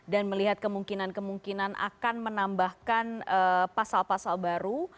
dan melihat kemungkinan kemungkinan akan menambahkan pasal pasal baru